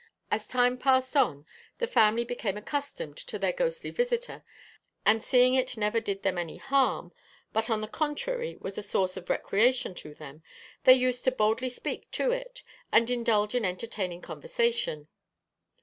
As time passed on the family became accustomed to their ghostly visitor, and seeing it never did them any harm, but on the contrary was a source of recreation to them, they used to boldly speak to it, and indulge in entertaining conversation.